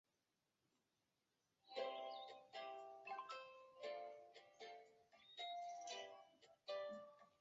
而当时荒木村重有所向无敌的毛利村上水军作海援。